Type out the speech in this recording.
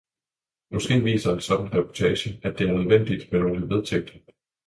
Måske viser sådan en reportage, at det er nødvendigt med nogle vedtægter.